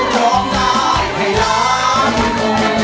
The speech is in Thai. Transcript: ร้องได้ให้ล้าน